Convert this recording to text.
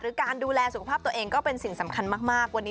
การดูแลสุขภาพตัวเองก็เป็นสิ่งสำคัญมากวันนี้